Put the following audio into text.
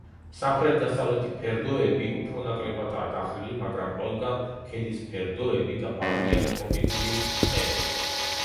სამხრეთ-დასავლეთი ფერდოები უფრო ნაკლებადაა დახრილი, მაგრამ ყველგან ქედის ფერდოები დაფარულია ტროპიკული ტყეებით.